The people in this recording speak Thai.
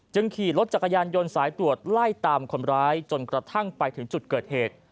ขี่รถจักรยานยนต์สายตรวจไล่ตามคนร้ายจนกระทั่งไปถึงจุดเกิดเหตุ